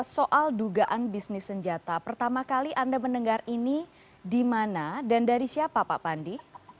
soal dugaan bisnis senjata pertama kali anda mendengar ini di mana dan dari siapa pak pandi